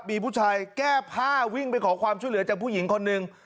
มีผู้ชายแก้ผ้าวิ่งไปขอความช่วยเหลือจากผู้หญิงคนหนึ่ง